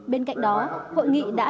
bên cạnh đó hội nghị đã